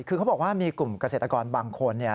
คือเขาบอกว่ามีกลุ่มเกษตรกรบางคน